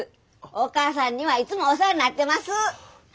お母さんにはいつもお世話になってます。